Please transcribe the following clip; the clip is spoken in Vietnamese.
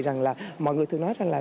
rằng là mọi người thường nói rằng là